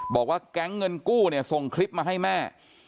บอกว่าแก๊งเงินกู้เนี่ยส่งคลิปมาให้แม่